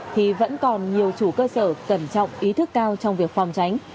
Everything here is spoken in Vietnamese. thì vẫn còn nhiều chủ cơ sở cẩn trọng ý thức cao trong việc phòng tránh